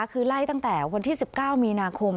คือไล่ตั้งแต่วันที่๑๙มีนาคม